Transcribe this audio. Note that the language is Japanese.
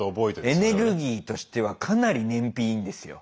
エネルギーとしてはかなり燃費いいんですよ。